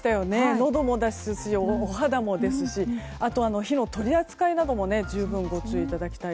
のどもですしお肌もですしあと、火の取り扱いなども十分ご注意ください。